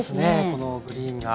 このグリーンが。